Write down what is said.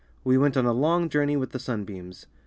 We went on a long journey with the sunbeams."